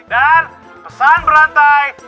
dan pesan berantai